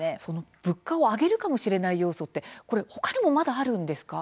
物価を上げるかもしれない要素他にもまだあるんですか。